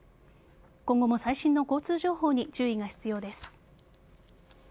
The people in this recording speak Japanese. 今後も最新の交通情報に注意が必要です。